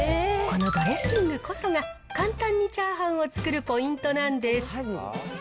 このドレッシングこそが、簡単にチャーハンを作るポイントなんです。